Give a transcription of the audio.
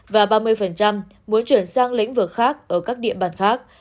và ba mươi muốn chuyển sang lĩnh vực khác ở các địa bàn khác